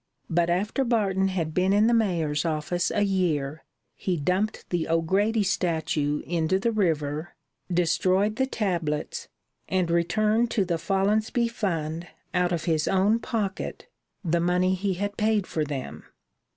But after Barton had been in the mayor's office a year he dumped the O'Grady statue into the river, destroyed the tablets, and returned to the Follonsby Fund out of his own pocket the money he had paid for them.